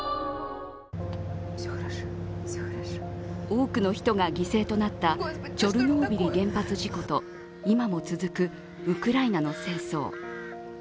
多くの人が犠牲となったチョルノービリ原発事故と今も続くウクライナの戦争。